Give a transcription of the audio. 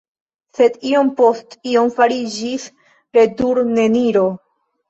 Sed iom post iom fariĝis returneniro.